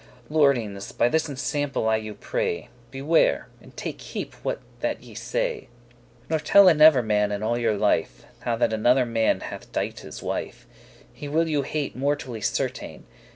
Lordings, by this ensample, I you pray, Beware, and take keep* what that ye say; *heed Nor telle never man in all your life How that another man hath dight his wife; He will you hate mortally certain.